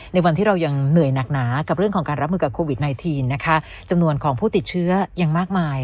ในวันที่เรายังเหนื่อยหนักหนากับเรื่องของการรับมือกับโควิด๑๙นะคะจำนวนของผู้ติดเชื้อยังมากมาย